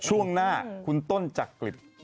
ช่วงหน้าคุณต้นจักริต